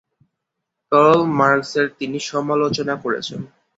Curl মার্ক্সের তিনি সমালোচনা করেছেন।